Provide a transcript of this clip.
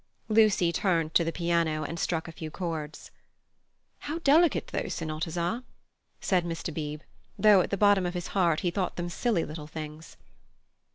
Lucy turned to the piano and struck a few chords. "How delicate those Sonatas are!" said Mr. Beebe, though at the bottom of his heart, he thought them silly little things.